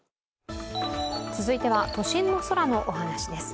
続いては、都心の空のお話です。